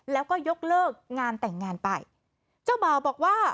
แล้วก็ยกเลิกงานแต่งงานไปเจ้าบ่าวบอกว่า